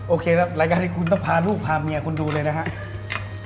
โอเครายการที่คุณผ่าลูกผ่ามีคุณดูเลยนะครับ